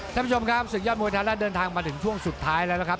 ท่านผู้ชมครับศึกยอดมวยไทยรัฐเดินทางมาถึงช่วงสุดท้ายแล้วนะครับ